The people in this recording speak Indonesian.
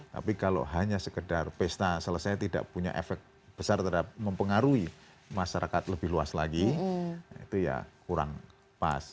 tapi kalau hanya sekedar pesta selesai tidak punya efek besar terhadap mempengaruhi masyarakat lebih luas lagi itu ya kurang pas